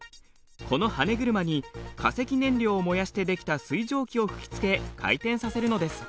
このはね車に化石燃料を燃やして出来た水蒸気を吹きつけ回転させるのです。